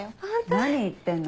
何言ってんの。